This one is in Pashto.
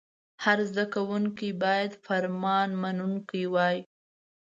هر زده کوونکی باید فرمان منونکی وای.